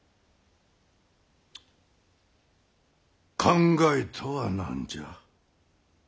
考えとは何じゃ？